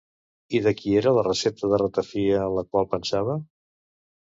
I de qui era la recepta de ratafia en la qual pensava?